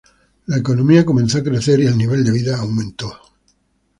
La economía comenzó a crecer y el nivel de vida aumentó.